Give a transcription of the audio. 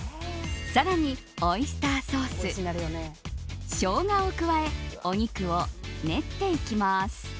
更に、オイスターソースショウガを加えお肉を練っていきます。